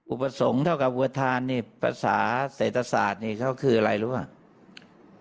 อุปสรรคเท่ากับอวทานนี่ภาษาเศรษฐศาสตร์นี่เขาคืออะไรรู้ป่ะ